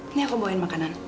ini aku bawain makanan